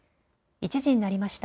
１時になりました。